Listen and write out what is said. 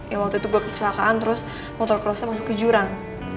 ya waktu itu gue kecelakaan terus motor crossnya masuk ke jurang